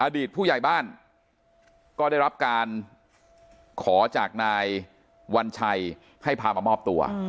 อดีตผู้ใหญ่บ้านก็ได้รับการขอจากนายวัญชัยให้พามามอบตัว